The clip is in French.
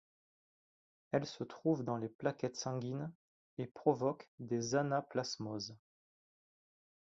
Elles se trouvent dans les plaquettes sanguines et provoquent des anaplasmoses.